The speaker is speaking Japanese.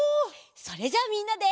それじゃあみんなで。